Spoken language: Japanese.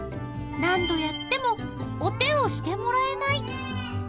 何度やってもお手をしてもらえない